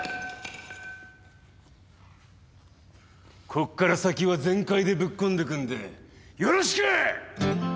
こっから先は全開でぶっ込んでくんでよろしく！